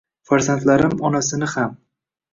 Farzandlarimonasin ham